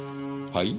はい？